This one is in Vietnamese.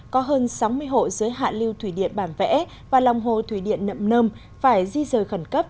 có hơn sáu mươi hộ dưới hạ lưu thủy điện bản vẽ và lòng hồ thủy điện nậm nơm phải di rời khẩn cấp